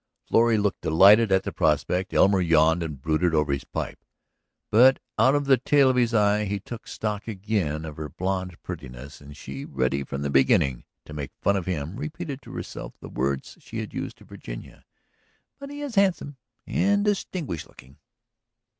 Florrie looked delighted at the prospect; Elmer yawned and brooded over his pipe. But out of the tail of his eye he took stock again of her blonde prettiness, and she, ready from the beginning to make fun of him, repeated to herself the words she had used to Virginia: "But he is handsome ... and distinguished looking!"